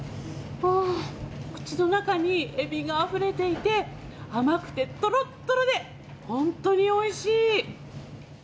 口の中にエビがあふれていて、甘くてとろっとろで、ほんとにおいしい。